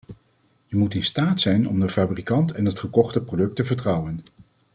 Je moet in staat zijn om de fabrikant en het gekochte product te vertrouwen.